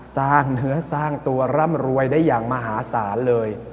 สร้างเนื้อสร้างตัวร่ำรวยได้อย่างมหาศาลเลย